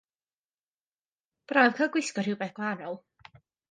Braf cael gwisgo rhywbeth gwahanol.